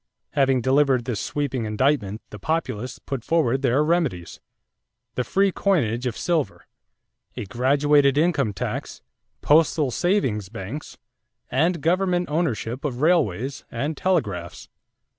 Having delivered this sweeping indictment, the Populists put forward their remedies: the free coinage of silver, a graduated income tax, postal savings banks, and government ownership of railways and telegraphs.